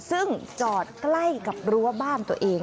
ซึ่งจอดใกล้กับรั้วบ้านตัวเอง